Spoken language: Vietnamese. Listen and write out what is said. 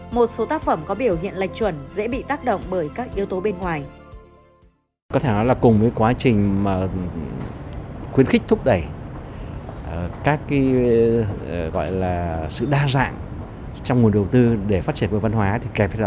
một số tác phẩm có biểu hiện lệch chuẩn dễ bị tác động bởi các yếu tố bên ngoài